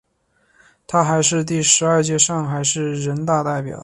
她还是第十二届上海市人大代表。